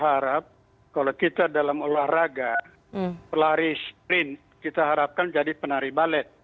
harap kalau kita dalam olahraga pelari sprint kita harapkan jadi penari balet